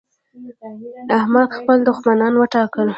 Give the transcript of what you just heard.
احمد خپل دوښمنان وټکول.